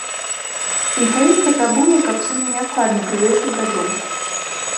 Міхаэль патрабуе, каб сына неадкладна прывезлі дадому.